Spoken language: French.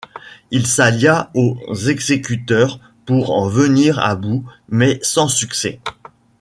Il s'allia aux Exécuteurs pour en venir à bout mais sans succès.